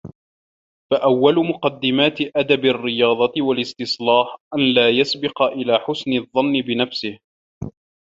فَأَوَّلُ مُقَدَّمَاتِ أَدَبِ الرِّيَاضَةِ وَالِاسْتِصْلَاحِ أَنْ لَا يَسْبِقَ إلَى حُسْنِ الظَّنِّ بِنَفْسِهِ